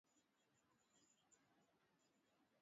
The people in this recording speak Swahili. weka kivulini matembele baada ya kuchuma